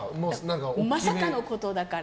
まさかのことだから。